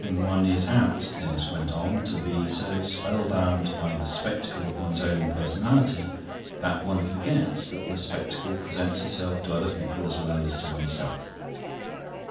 "One is apt," Denis went on, "to be so spellbound by the spectacle of one's own personality that one forgets that the spectacle presents itself to other people as well as to oneself."